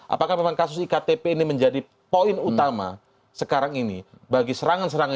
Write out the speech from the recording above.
apakah memang kasus iktp ini menjadi poin utama sekarang ini bagi serangan serangan